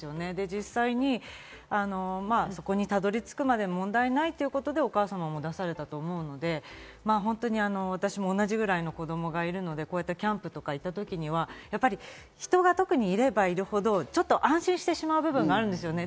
実際そこにたどり着くまで問題ないということでお母様も出されたと思うので、私も同じぐらいの子供がいるのでこういったキャンプとか行った時には人が特にいればいるほど安心してしまう部分があるんですよね。